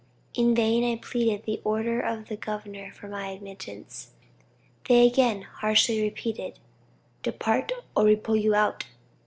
In vain I pleaded the order of the governor for my admittance; they again harshly repeated, 'Depart, or we will pull you out.'"